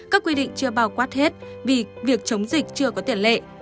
các quy định chưa bao quát hết vì việc chống dịch chưa có tiền lệ